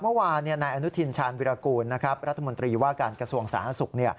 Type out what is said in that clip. เมื่อวานอานุทินฐ์ชานวีรกูลว่าการกระทรวงสาหสุข